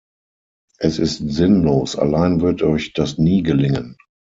Es ist sinnlos, allein wird Euch das nie gelingen!